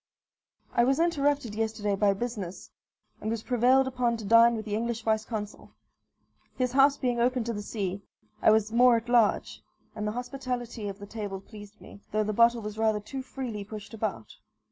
I was interrupted yesterday by business, and was prevailed upon to dine with the English vice consul. His house being open to the sea, I was more at large; and the hospitality of the table pleased me, though the bottle was rather too freely pushed about.